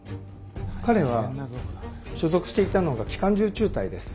彼は所属していたのが機関銃中隊です。